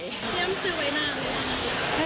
นี่มันซื้อไว้นาน